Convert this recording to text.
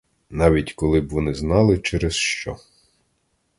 Навіть коли б вони знали, через що.